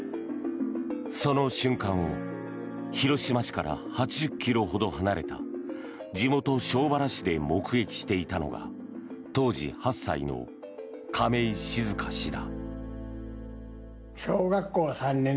その瞬間を広島市から８０ｋｍほど離れた地元・庄原市で目撃していたのが当時８歳の亀井静香氏だ。